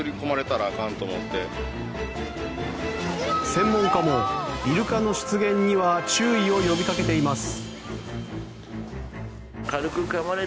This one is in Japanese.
専門家もイルカの出現には注意を呼びかけています。